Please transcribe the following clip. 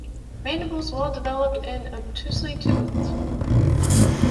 Mandibles well developed and obtusely toothed.